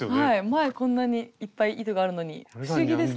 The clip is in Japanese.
前こんなにいっぱい糸があるのに不思議ですね。